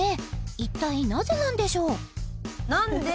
一体なぜなんでしょう？